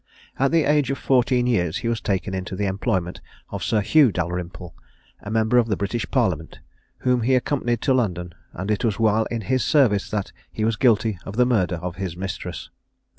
At the age of fourteen years he was taken into the employment of Sir Hugh Dalrymple, a member of the British parliament, whom he accompanied to London; and it was while in his service that he was guilty of the murder of his mistress.